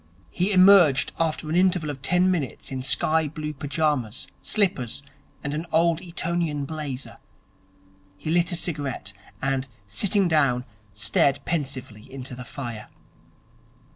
He emerged after an interval of ten minutes in sky blue pyjamas, slippers, and an Old Etonian blazer. He lit a cigarette; and, sitting down, stared pensively into the fire.